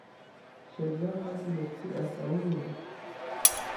شێرزاد حەزی لە کچی ئاسایی نییە.